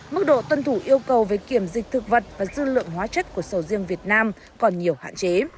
mức độ tuân thủ yêu cầu về kiểm dịch thực vật và dư lượng hóa chất của sầu riêng việt nam còn nhiều hạn chế